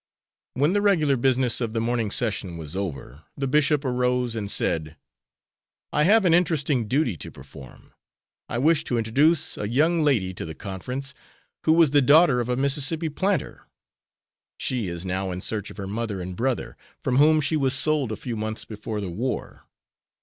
When the regular business of the morning session was over the bishop arose and said: "I have an interesting duty to perform. I wish to introduce a young lady to the conference, who was the daughter of a Mississippi planter. She is now in search of her mother and brother, from whom she was sold a few months before the war.